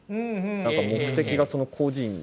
目的がその個人